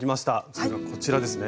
それがこちらですね。